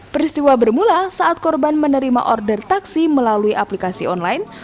peristiwa bermula saat korban menerima order taksi melalui aplikasi online